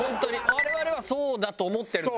我々はそうだと思ってるのよ。